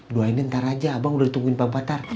doainnya ntar aja abang udah tungguin bang patar